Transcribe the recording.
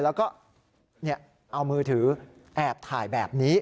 แล้วก็เอามือถือแอบถ่ายแบบนี้